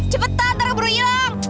cepetan taruh burung ilang